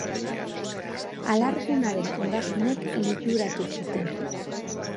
Alargunaren ondasunek liluratu zuten.